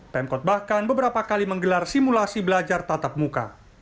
pemkot bahkan beberapa kali menggelar simulasi belajar tatap muka